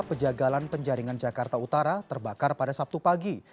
pejagalan penjaringan jakarta utara terbakar pada sabtu pagi